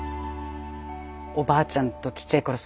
おばあちゃんとちっちゃいころ